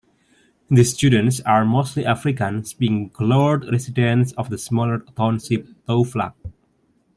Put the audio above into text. These students are mostly Afrikaans speaking coloured residents of the smaller township Toevlug.